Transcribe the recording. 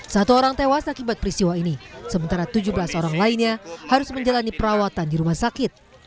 satu orang tewas akibat peristiwa ini sementara tujuh belas orang lainnya harus menjalani perawatan di rumah sakit